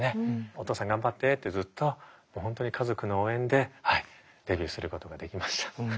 「お父さん頑張って」ってずっと本当に家族の応援でデビューすることができました。